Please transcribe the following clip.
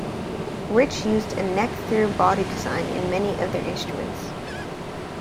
Rich used a neck-through body design in many of their instruments.